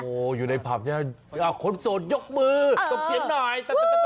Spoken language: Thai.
โอ้โหอยู่ในผับใช่ไหมคนโสดยกมือส่งเสียงหน่อย